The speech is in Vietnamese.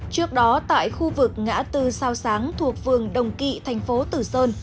trước đó tại khu vực ngã tư sao sáng thuộc vườn đồng kỵ thành phố tử sơn